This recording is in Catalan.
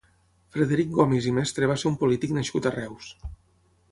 Frederic Gomis i Mestre va ser un polític nascut a Reus.